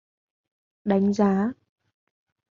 Đánh giá